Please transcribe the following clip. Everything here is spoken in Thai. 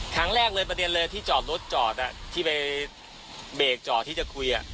ครั้งแรกเลยประเด็นเลยที่จอดรถจอดที่ไปเบรกจอดที่จะคุย